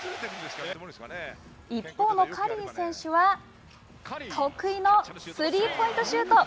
一方のカリー選手は得意のスリーポイントシュート。